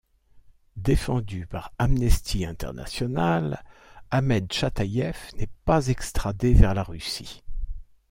Défendu par Amnesty International, Ahmed Tchataïev n'est pas extradé vers la Russie.